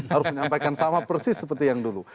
harus menyampaikan sama persis seperti yang dulu